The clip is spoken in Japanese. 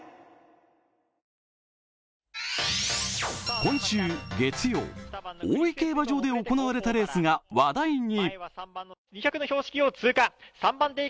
今週月曜、大井競馬場で行われたレースが話題に。